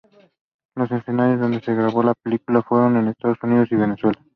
Los escenarios donde se grabó la película fueron en Estados Unidos y Venezuela.